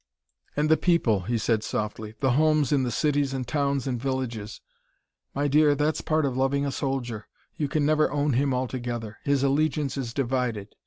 "And the people," he said softly; "the homes in the cities and towns and villages. My dear, that's part of loving a soldier: you can never own him altogether; his allegiance is divided.